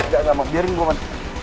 gak mau biarin gue mana